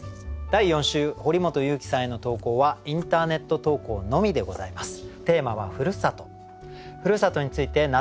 第４週堀本裕樹さんへの投稿はインターネット投稿のみでございます。